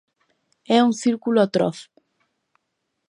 É un círculo atroz.